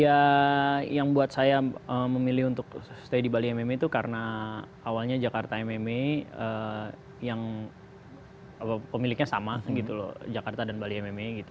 ya yang buat saya memilih untuk stay di bali mma itu karena awalnya jakarta mma yang pemiliknya sama gitu loh jakarta dan bali mma gitu